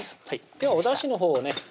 はいではおだしのほうをね